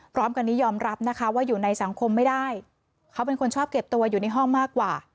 พร้อมกันนี้ยอมรับนะคะว่าอยู่ในสังคมไม่ได้เขาเป็นคนชอบเก็บตัวอยู่ในห้องมากกว่า